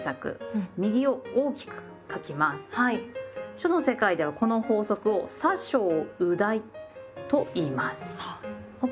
書の世界ではこの法則を「左小右大」と言います。